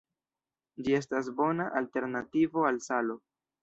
Ĝi estas bona alternativo al salo.